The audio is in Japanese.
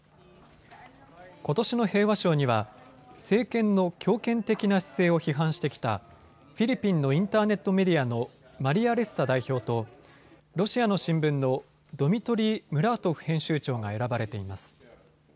ことしの平和賞には政権の強権的な姿勢を批判してきたフィリピンのインターネットメディアのマリア・レッサ代表とロシアの新聞のドミトリー・ムラートフ編集長が選ばれています。